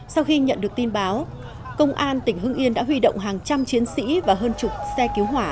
sau khi nhận được tin báo công an tỉnh hưng yên đã huy động hàng trăm chiến sĩ và hơn chục xe cứu hỏa